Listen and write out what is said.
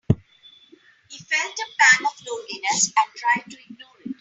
He felt a pang of loneliness and tried to ignore it.